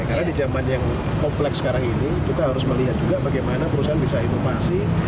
karena di zaman yang kompleks sekarang ini kita harus melihat juga bagaimana perusahaan bisa inovasi